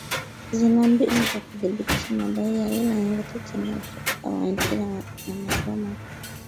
zina mbinu za kuthibitisha madai ya aina yoyote chini ya ushirika wa nchi za maziwa makuu